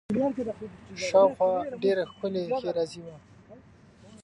شاوخوا ډېره ښکلې ښېرازي وه.